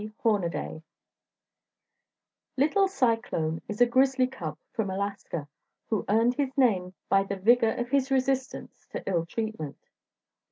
Hornaday Little Cyclone is a grizzly cub from Alaska, who earned his name by the vigor of his resistance to ill treatment.